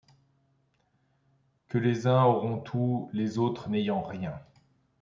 Que les uns auront tout, les autres n'ayant rien